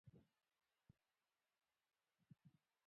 خپله اراده اوعزم د خپلې ژبې د فلکلور، ادب اودود د تیر میراث